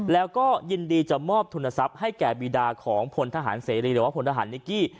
แล้วก็ยินดีจะมอบทุนทรัพย์ให้แก่บีดาของพลทหารเสรีหรือว่าพลทหารนิกกี้